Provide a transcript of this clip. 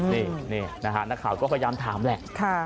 นี่นะฮะนักข่าวก็พยายามถามแหละ